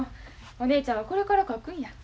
お姉ちゃんはこれから書くんや。